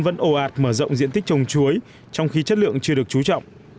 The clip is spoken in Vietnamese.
vẫn ồ ạt mở rộng diện tích trồng chuối trong khi chất lượng chưa được trú trọng